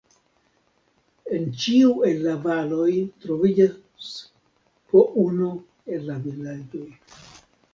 En ĉiu el la valoj troviĝas po unu el la vilaĝoj.